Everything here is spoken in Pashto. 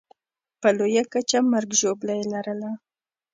په لویه کچه مرګ ژوبله یې لرله.